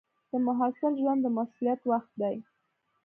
د محصل ژوند د مسؤلیت وخت دی.